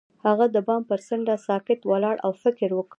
هغه د بام پر څنډه ساکت ولاړ او فکر وکړ.